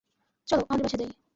চলো, আমাদের বাসায় যাই।